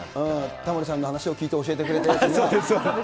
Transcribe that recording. タモリさんの話を聞いて教えそうです。